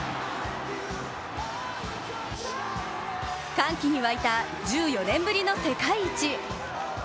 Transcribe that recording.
歓喜に沸いた１４年ぶりの世界一。